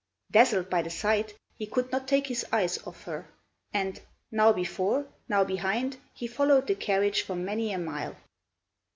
Dazzled by the sight, he could not take his eyes off her; and, now before, now behind, he followed the carriage for many a mile.